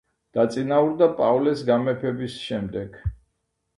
დაწინაურდა პავლეს გამეფების შემდეგ.